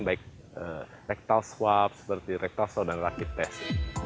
baik rectal swab seperti rectal swab dan rapid test